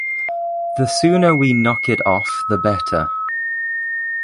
The sooner we knock it off the better.